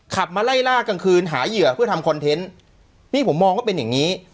ขับมาไล่ล่ากลางคืนหาเหยื่อเพื่อทำคอนเทนต์นี่ผมมองว่าเป็นอย่างนี้